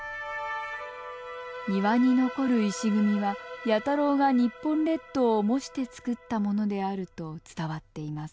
庭に残る石組みは弥太郎が日本列島を模して作ったものであると伝わっています。